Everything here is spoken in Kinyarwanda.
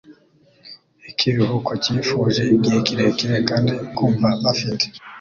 ikiruhuko cyifuje igihe kirekire, kandi kumva bafite